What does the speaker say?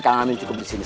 kang amin cukup disini